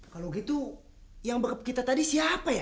kalau gitu yang kita tadi siapa ya